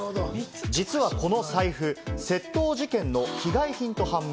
実はこの財布、窃盗事件の被害品と判明。